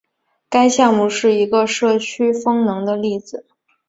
该项目是一个社区风能的例子。